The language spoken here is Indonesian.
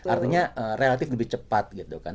artinya relatif lebih cepat